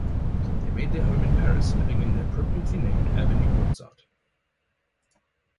They made their home in Paris, living in the appropriately named Avenue Mozart.